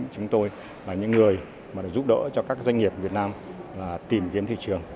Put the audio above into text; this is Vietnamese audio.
chúng tôi là những người giúp đỡ cho các doanh nghiệp việt nam tìm kiếm thị trường